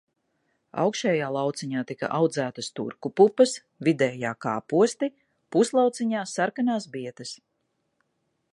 Augšējā lauciņā tika audzētas turku pupas, vidējā kāposti, puslauciņā sarkanās bietes.